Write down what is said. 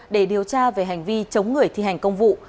để điều tra về hành vi chống người thi hành công vụ